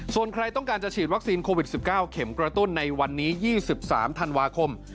ส่วนใครต้องการจะฉีดวัคซีนโควิด๑๙เข็มกระตุ้นในวันนี้๒๓ธันวาคม